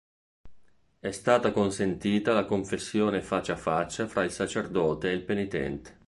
È stata consentita la confessione faccia a faccia fra il sacerdote e il penitente.